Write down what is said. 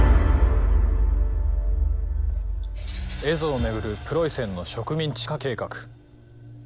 蝦夷を巡るプロイセンの植民地化計画。